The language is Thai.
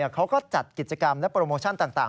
เขาก็จัดกิจกรรมและโปรโมชั่นต่าง